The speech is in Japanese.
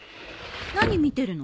何見てるの？